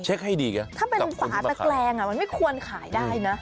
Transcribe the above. เช็คให้ดีกันถ้าเป็นฝาตะแกรงมันไม่ควรขายได้นะ